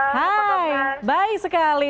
hai baik sekali